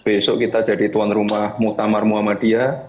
besok kita jadi tuan rumah muktamar muhammadiyah